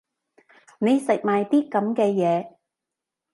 你食埋啲噉嘅嘢